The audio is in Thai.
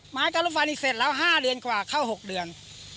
หมายการรถไฟนี่เสร็จแล้ว๕เดือนกว่าเข้า๖เดือน